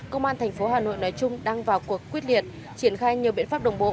công an thành phố hà nội nói chung đang vào cuộc quyết liệt triển khai nhiều biện pháp đồng bộ